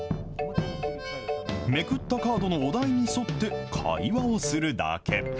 めくったカードのお題に沿って会話をするだけ。